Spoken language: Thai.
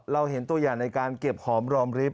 เราเห็นตัวอย่างในการเก็บของรอบริฟต์